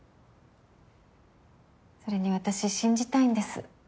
それに私信じたいんです。